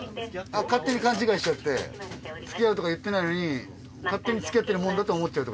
勝手に勘違いしちゃって付き合うとか言ってないのに勝手に付き合ってるもんだと思っちゃうってことね。